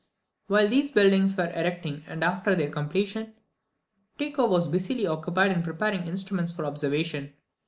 While these buildings were erecting, and after their completion, Tycho was busily occupied in preparing instruments for observation.